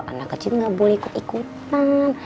anak kecil nggak boleh ikut ikutan